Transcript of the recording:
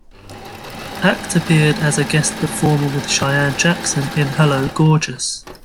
Act appeared as a guest performer with Cheyenne Jackson in Hello, Gorgeous!